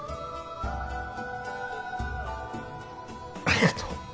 ありがとう。